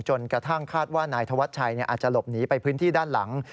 จนกระทั่งคาดว่านายธวัชชัยอาจจะหลบหนีไปพื้นที่ด้านหลัง